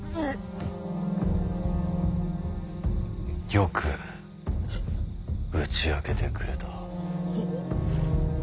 よく打ち明けてくれた。